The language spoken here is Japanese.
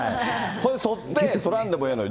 これでそって、そらんでもええのに。